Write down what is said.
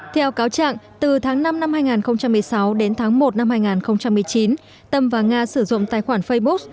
theo cáo trạng từ tháng năm năm hai nghìn một mươi sáu đến tháng một năm hai nghìn một mươi chín tâm và nga sử dụng tài khoản facebook